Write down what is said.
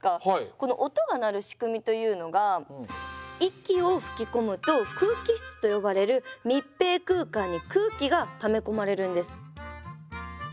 この音が鳴る仕組みというのが息を吹き込むと空気室と呼ばれる密閉空間に空気がため込まれるんです。